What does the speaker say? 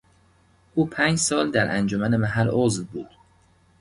او پنج سال در انجمن محل عضو بود.